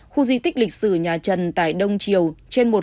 khu di tích lịch sử nhà trần tại đông triều trên một bảy tỷ đồng